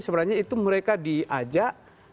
sebenarnya itu mereka diajak